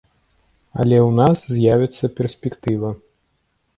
Але ў нас з'явіцца перспектыва.